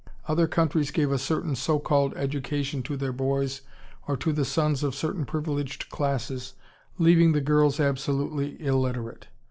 Other countries gave a certain so called education to their boys or to the sons of certain privileged classes, leaving the girls absolutely illiterate.